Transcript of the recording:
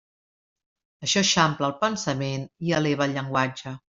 Això eixampla el pensament i eleva el llenguatge.